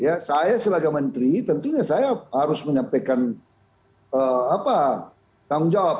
ya saya sebagai menteri tentunya saya harus menyampaikan tanggung jawab